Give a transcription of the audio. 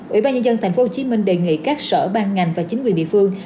ủy ban nhân dân tp hcm đề nghị các sở ban ngành và chính quyền địa phương